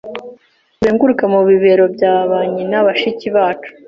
Uzenguruke mu bibero bya ba nyina Bashiki bacu